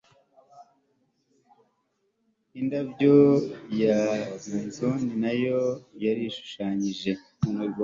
Indabyo ya marigold nayo yarishushanyije